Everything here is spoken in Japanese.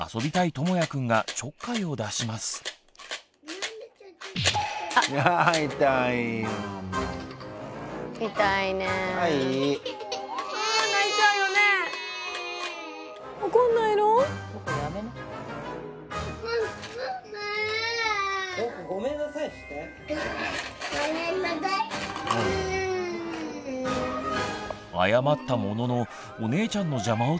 謝ったもののお姉ちゃんの邪魔を続けるともやくん。